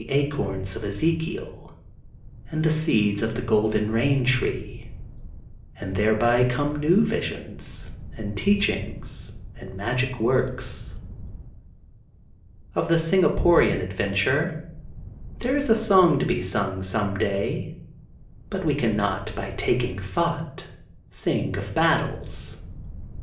ACORNS OF EZEKIEL AND THE SEEDS OF THE GOLDEN RAIN TREE AND THEREBT COMB NEW VISIONS AND TEACHINGS AND MAGIC WORKS. Of the Singapore adventure, there is a song to be sung, some day, but we cannot, by tak ing thought, sing of battles.